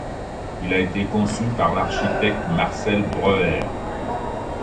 Il a été conçu par l'architecte Marcel Breuer.